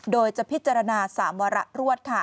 โดยจะพิจารณา๓วาระรวดค่ะ